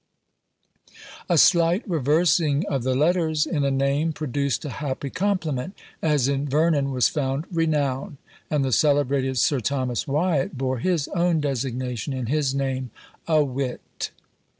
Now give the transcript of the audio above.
A slight reversing of the letters in a name produced a happy compliment; as in Vernon was found Renoun; and the celebrated Sir Thomas Wiat bore his own designation in his name, a Wit.